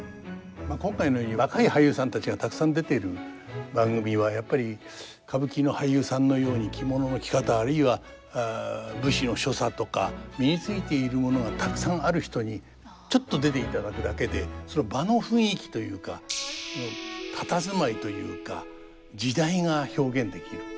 今回のように若い俳優さんたちがたくさん出ている番組はやっぱり歌舞伎の俳優さんのように着物の着方あるいは武士の所作とか身についているものがたくさんある人にちょっと出ていただくだけでその場の雰囲気というか佇まいというか時代が表現できる。